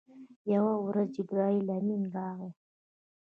یوه ورځ جبرائیل امین راغی.